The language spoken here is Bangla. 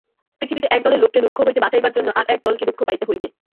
পৃথিবীতে এক দলের লোককে দুঃখ হইতে বাঁচাইবার জন্য আর-এক দলকে দুঃখ পাইতে হইবে।